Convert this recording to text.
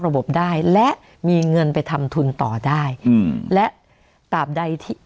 ระบบได้และมีเงินไปทำทุนต่อได้อืมและตามใดที่